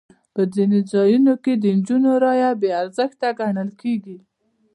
په ځینو ځایونو کې د نجونو رایه بې ارزښته ګڼل کېږي.